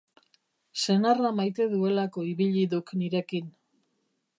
Senarra maite duelako ibili duk nirekin.